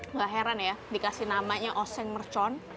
nggak heran ya dikasih namanya oseng mercon